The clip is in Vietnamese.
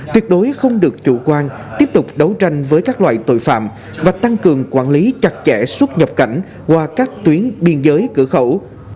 tuyệt đối không được chủ quan tiếp tục đấu tranh với các loại tội phạm và tăng cường quản lý chặt chẽ xuất nhập cảnh qua các tuyến biên giới cửa khẩu